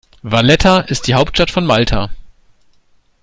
Valletta ist die Hauptstadt von Malta.